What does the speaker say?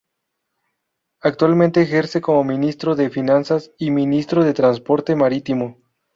Actualmente ejerce como Ministro de Finanzas y Ministro de Transporte Marítimo.